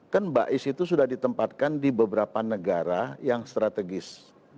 kan bais itu sudah ditempatkan di beberapa negara yang strategis